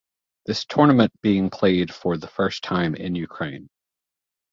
This tournament being played for the first time in Ukraine.